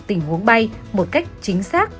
tình huống bay một cách chính xác